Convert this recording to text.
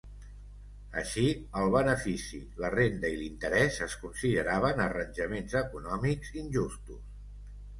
Així, el benefici, la renda i l'interès es consideraven arranjaments econòmics injustos.